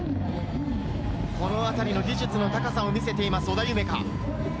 このあたりの技術の高さを見せています、織田夢海。